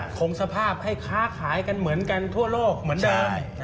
คงสภาพให้ค้าขายกันเหมือนกันทั่วโลกเหมือนเดิม